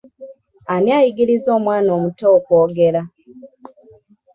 Ani ayigiriza omwana omuto okwogera?